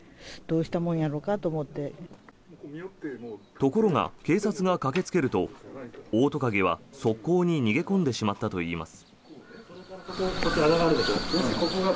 ところが、警察が駆けつけるとオオトカゲは側溝に逃げ込んでしまったといいます。